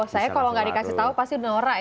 saya kalau nggak dikasih tau pasti norak ya